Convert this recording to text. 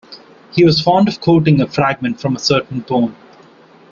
He was fond of quoting a fragment from a certain poem.